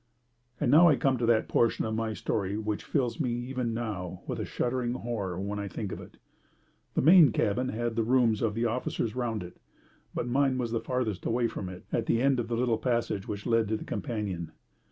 And now I come to that portion of my story which fills me even now with a shuddering horror when I think of it. The main cabin had the rooms of the officers round it, but mine was the farthest away from it at the end of the little passage which led to the companion.